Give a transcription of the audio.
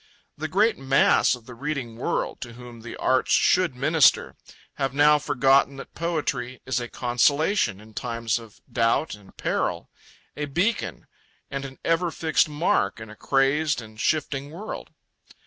The great mass of the reading world, to whom the arts should minister, have now forgotten that poetry is a consolation in times of doubt and peril, a beacon, and "an ever fixed mark" in a crazed and shifting world.